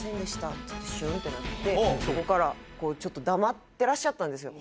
っつってシュンってなってそこからちょっと黙ってらっしゃったんですよ。